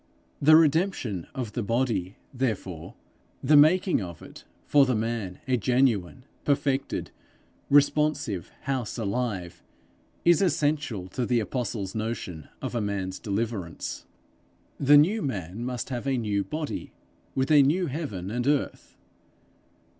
The redemption of the body, therefore, the making of it for the man a genuine, perfected, responsive house alive, is essential to the apostle's notion of a man's deliverance. The new man must have a new body with a new heaven and earth.